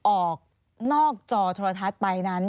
ออกนอกจอโทรทัศน์ไปนั้น